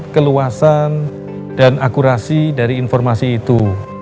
keluasan dan akurasi dari informasi itu